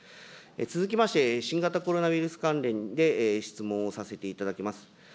続きまして、新型コロナウイルス関連で質問をさせていただきます。